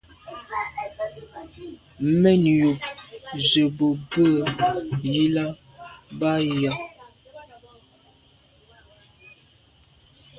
Mèn yub ze bo bwe i là b’a yà.